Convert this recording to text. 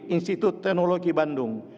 institut teknologi bandung